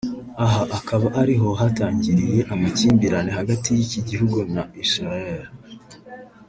aha akaba ariho hatangiriye amakimbirane hagati y’iki gihugu na Israel